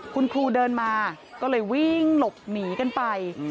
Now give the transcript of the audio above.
คุณครูเดินมาก็เลยวิ่งหลบหนีกันไป